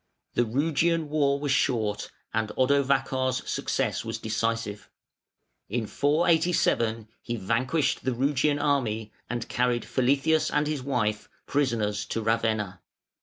The Rugian war was short, and Odovacar's success was decisive. In 487 he vanquished the Rugian army and carried Feletheus and his wife prisoners to Ravenna.